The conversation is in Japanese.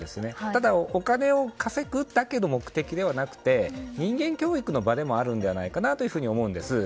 ただお金を稼ぐことだけの目的ではなくて人間教育の場でもあるんじゃないかと思うんです。